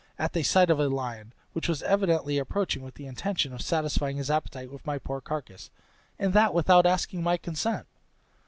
at the sight of a lion, which was evidently approaching with the intention of satisfying his appetite with my poor carcass, and that without asking my consent.